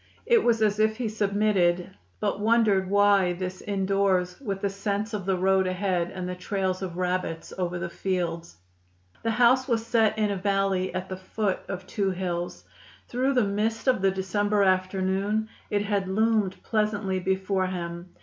It was as if he submitted, but wondered why this indoors, with the scents of the road ahead and the trails of rabbits over the fields. The house was set in a valley at the foot of two hills. Through the mist of the December afternoon, it had loomed pleasantly before him.